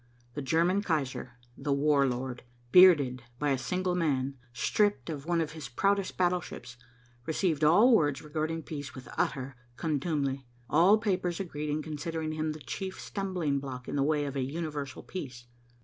The German Kaiser, the War Lord, bearded by a single man, stripped of one of his proudest battleships, received all words regarding peace with utter contumely. All papers agreed in considering him the chief stumbling block in the way of a universal peace.